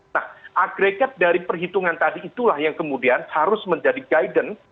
nah agregat dari perhitungan tadi itulah yang kemudian harus menjadi guidance